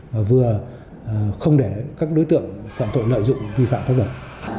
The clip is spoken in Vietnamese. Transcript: và vừa không để các đối tượng phạm tội lợi dụng vi phạm pháp luật